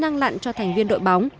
năng lặn cho thành viên đội bóng